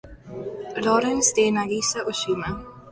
Lawrence" de Nagisa Oshima.